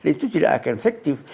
itu tidak akan efektif